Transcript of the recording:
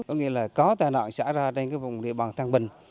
có nghĩa là có tai nạn xả ra trên vùng địa bàn thăng bình